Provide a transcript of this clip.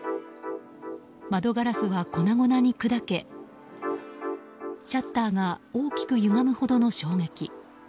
窓ガラスは粉々に砕けシャッターが大きくゆがむほどの衝撃。